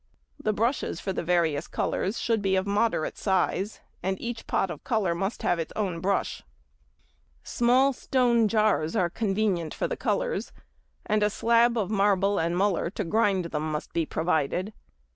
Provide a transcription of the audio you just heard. The brushes for the various colours should be of moderate size, and each pot of colour must have its own brush. Small stone jars are convenient for the colours, and a slab of marble and muller to grind them must be provided.